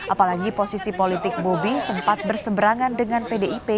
apalagi posisi politik bobi sempat berseberangan dengan pdip